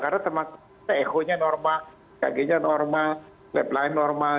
karena termasuk kita eho nya normal ekg nya normal leblanc normal